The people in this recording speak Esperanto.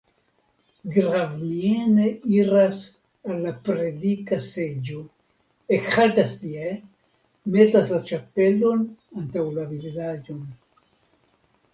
Gravmiene iras al la predika seĝo, ekhaltas tie, metas la ĉapelon antaŭ la vizaĝon.